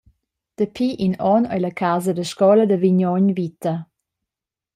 Dapi in onn ei la casa da scola da Vignogn vita.